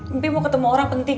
tapi mau ketemu orang penting